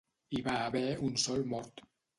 Hi va haver un sol mort.